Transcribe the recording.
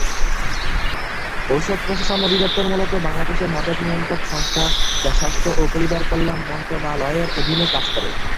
ঔষধ প্রশাসন অধিদপ্তর মূলত বাংলাদেশের মাদক নিয়ন্ত্রক সংস্থা যা স্বাস্থ্য ও পরিবার কল্যাণ মন্ত্রণালয়ের অধীনে কাজ করে।